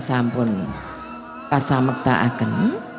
sampun kasamerta agen